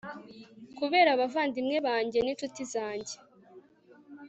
kubera abavandimwe banjye n'incuti zanjye